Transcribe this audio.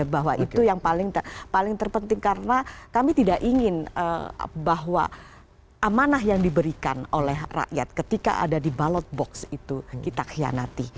bahwa itu yang paling terpenting karena kami tidak ingin bahwa amanah yang diberikan oleh rakyat ketika ada di ballot box itu kita khianati